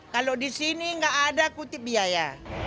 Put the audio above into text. kalau di sini nggak ada kutip biaya